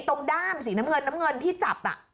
ด้ามสีน้ำเงินน้ำเงินที่จับ